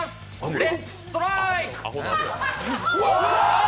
レッツ・ストライク！